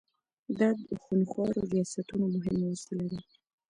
دا د خونخوارو ریاستونو مهمه وسیله ده.